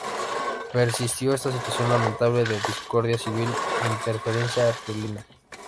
Persistió esta situación lamentable de discordia civil e interferencia argelina.